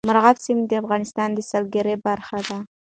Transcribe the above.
مورغاب سیند د افغانستان د سیلګرۍ برخه ده.